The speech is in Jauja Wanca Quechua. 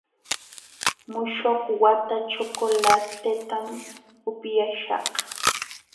Muśhuq wata chocolatetam upyaśhaq.